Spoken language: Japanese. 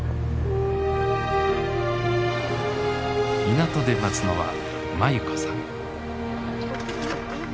港で待つのは眞優子さん。